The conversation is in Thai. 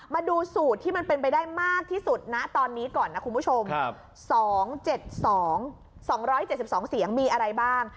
มาดูสูตรที่มันเป็นไปได้มากที่สุดนะตอนนี้ก่อนนะคุณผู้ชมครับสองเจ็ดสองสองร้อยเจ็ดสิบสองเสียงมีอะไรบ้าง